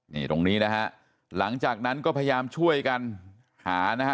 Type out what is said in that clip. นี่ตรงนี้นะฮะหลังจากนั้นก็พยายามช่วยกันหานะฮะ